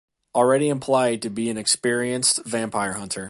Already implied to be an experienced vampire hunter.